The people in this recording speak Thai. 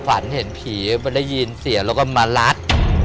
ฝันเห็นผีมันได้ยินเสียงแล้วก็มารัด